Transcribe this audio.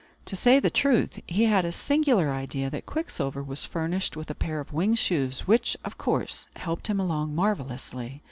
To say the truth, he had a singular idea that Quicksilver was furnished with a pair of winged shoes, which, of course, helped him along marvellously.